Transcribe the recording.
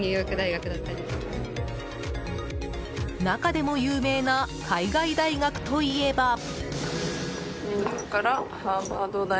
中でも有名な海外大学といえば。